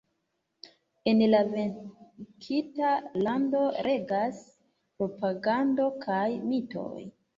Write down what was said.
En la venkinta lando regas propagando kaj mitoj.